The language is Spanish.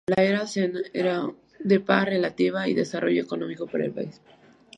La era Zand era de paz relativa y de desarrollo económico para el país.